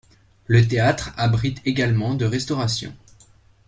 Le théâtre abrite également de restauration.